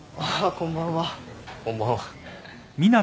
こんばんは。